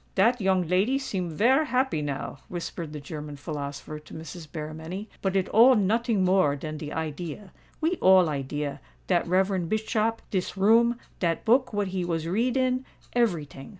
"Dat young lady seem vare happy now," whispered the German philosopher to Mrs. Berrymenny; "but it all noting more dan de idea. We all idea—dat reverend Bischop—dis room—dat book what he was read in—every ting!"